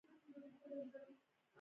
پښتو ويکيپېډيا ډېر معلومات لري.